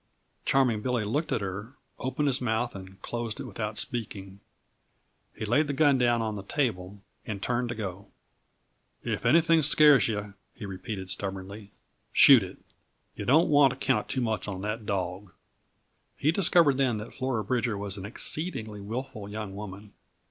Charming Billy looked at her, opened his mouth and closed it without speaking. He laid the gun down on the table and turned to go. "If anything scares yuh," he repeated stubbornly, "shoot it. Yuh don't want to count too much on that dawg." He discovered then that Flora Bridger was an exceedingly willful young woman.